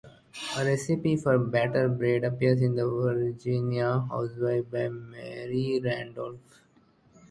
A recipe for batter bread appears in The Virginia Housewife by Mary Randolph.